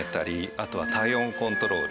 あとは体温コントロール。